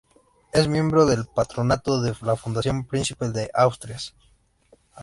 Es miembro del Patronato de la Fundación Príncipe de Asturias.